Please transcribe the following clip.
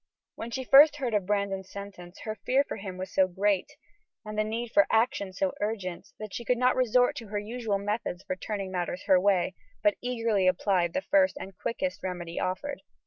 When she first heard of Brandon's sentence her fear for him was so great, and the need for action so urgent, that she could not resort to her usual methods for turning matters her way, but eagerly applied the first and quickest remedy offered.